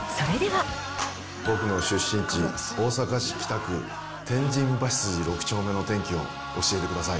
僕の出身地、大阪市北区天神橋筋六丁目の天気を教えてください。